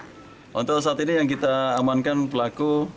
sekarang pada sisialias pada hari yang akan datang untuk diriplankan oleh har bronze timo